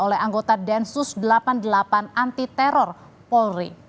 oleh anggota densus delapan puluh delapan anti teror polri